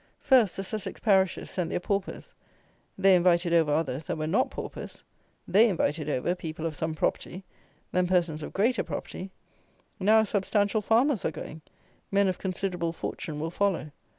First, the Sussex parishes sent their paupers; they invited over others that were not paupers; they invited over people of some property; then persons of greater property; now substantial farmers are going; men of considerable fortune will follow.